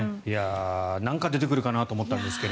何か出てくるかなと思ったんですが。